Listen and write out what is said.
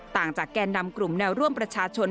ต่างจากแก่นำกลุ่มแนวร่วมประชาชน